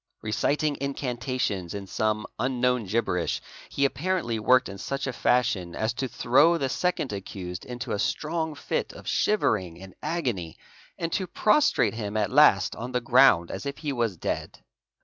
Reciting incantations in some unknown, gibberish, he apparently worked in such a fashion as to throw the second accused into a strong fit of shivering and agony, and to prostrate him at last on the ground as if he was dead.